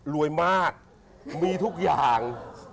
รวยมากมีทุกอย่าง